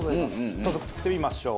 早速作ってみましょう。